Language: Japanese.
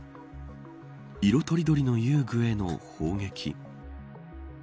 色とりどりの遊具への砲撃。